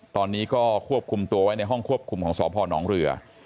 ตอนนี้ก็ควบคุมตัวไว้ในห้องควบคุมของสพนเรือ